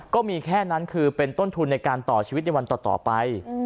ก็มีแค่นั้นคือเป็นต้นทุนในการต่อชีวิตในวันต่อไป